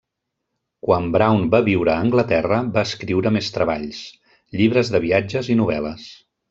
Quan Brown va viure a Anglaterra, va escriure més treballs: llibres de viatges i novel·les.